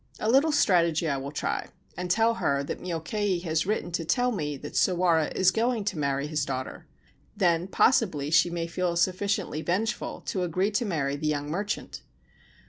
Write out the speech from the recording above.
A little strategy I will try, and tell her that Myokei has written to tell me that Sawara is going to marry his daughter ; then, possibly, she may feel sufficiently vengeful to agree to marry the young merchant.